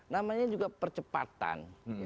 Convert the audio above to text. namanya juga percepatan